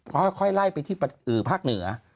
ค่อยไล่ไปที่ภาคเหนือ